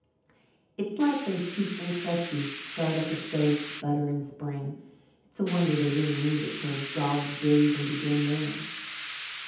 It's like those two fool trustees to start up a stove sputter in spring. It's a wonder they didn't leave it till dog days and begin then."